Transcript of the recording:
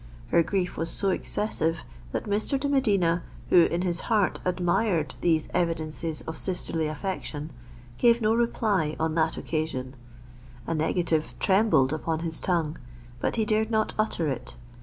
Her grief was so excessive, that Mr. de Medina, who in his heart admired these evidences of sisterly affection, gave no reply on that occasion: a negative trembled upon his tongue—but he dared not utter it.